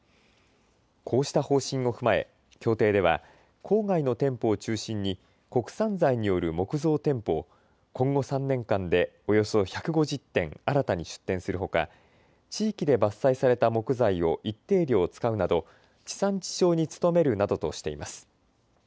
こうした方針を踏まえ協定では郊外の店舗を中心に国産材による木造店舗を今後３年間でおよそ１５０店、新たに出店するほか地域で伐採された木材を一定量使うなど地産地消に努めるなどとしています。